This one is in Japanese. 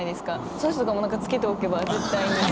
そういう人とかもつけておけば絶対に。